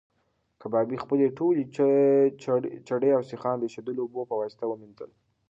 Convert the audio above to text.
کبابي خپلې ټولې چړې او سیخان د ایشېدلو اوبو په واسطه ومینځل.